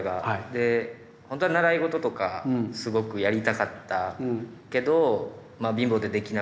で本当は習い事とかすごくやりたかったけど貧乏でできなくて。